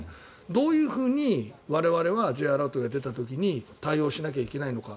どういうふうに我々はＪアラートが出た時に対応しなければいけないのか。